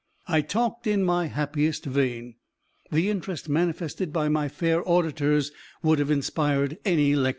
I talked in my happiest vein. The interest manifested by my fair auditors would have inspired any lecturer.